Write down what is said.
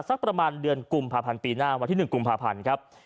สักประมาณเดือนกุมภาพันธ์ปีหน้าวันที่๑กุมภาพันธ์ครับ